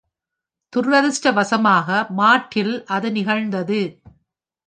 துரதிர்ஷ்டவசமாக மார்டில், அது நிகழ்ந்தது.